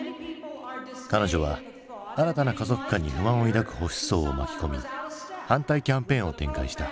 彼女は新たな家族観に不満を抱く保守層を巻き込み反対キャンペーンを展開した。